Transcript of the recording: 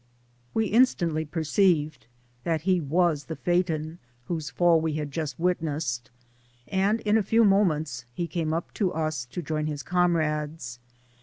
We instantly perceived that he was the Phaeton whose fall we had just witnessed, and in a few moments he came up to us to join his comrades.